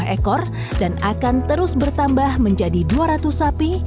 satu ratus empat puluh ekor dan akan terus bertambah menjadi dua ratus sapi